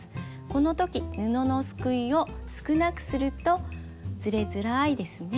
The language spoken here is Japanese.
この時布のすくいを少なくするとずれづらいですね。